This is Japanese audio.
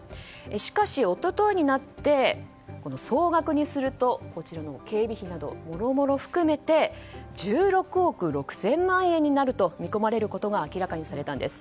しかし、一昨日になって総額にすると警備費などもろもろ含めて１６億６０００万円になると見込まれることが明らかにされたんです。